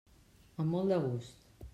Amb molt de gust.